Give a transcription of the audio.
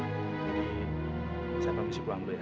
jadi saya permisi pulang dulu ya